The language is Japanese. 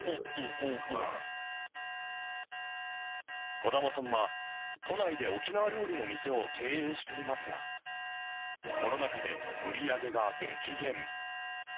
児玉さんは、都内で沖縄料理の店を経営していますが、コロナ禍で売り上げが激減。